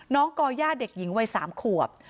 ก่อย่าเด็กหญิงวัย๓ขวบ